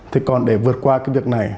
thế còn để vượt qua việc này